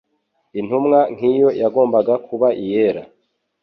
Intumwa nk'iyo yagombaga kuba iyera.